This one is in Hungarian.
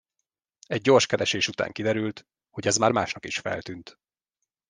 Egy gyors keresés után kiderült, hogy ez már másnak is feltűnt.